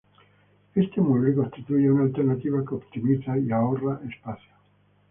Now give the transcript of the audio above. Este mueble constituye una alternativa que optimiza y ahorra espacio.